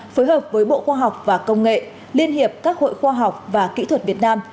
phối hợp với bộ khoa học và công nghệ liên hiệp các hội khoa học và kỹ thuật việt nam